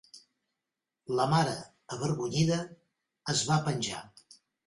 La mare, avergonyida, es va penjar.